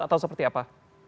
atau seperti apa